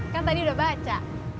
kan tadi udah baca